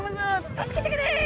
「助けてくれ！」